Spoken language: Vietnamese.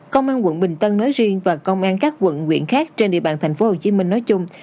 công an quận bình tân nói riêng và công an các quận quyện khác trên địa bàn tp hcm nói chung